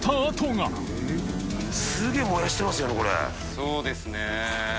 そうですね。